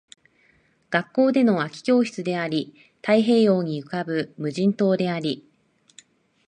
学校での空き教室であり、太平洋に浮ぶ無人島であり